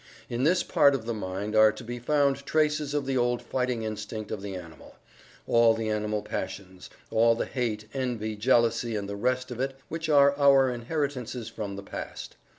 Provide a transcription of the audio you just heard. In this part of the mind are to be found traces of the old fighting instinct of the animal; all the animal passions; all the hate, envy, jealousy, and the rest of it, which are our inheritances from the past.